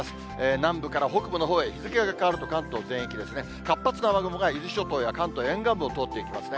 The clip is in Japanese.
南部から北部のほうへ、日付が変わると関東全域ですね、活発な雨雲が伊豆諸島や関東沿岸部を通っていきますね。